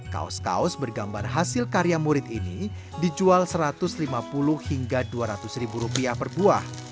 kaos kaos bergambar hasil karya murid ini dijual satu ratus lima puluh hingga dua ratus ribu rupiah per buah